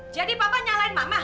jadi papa nyalain mama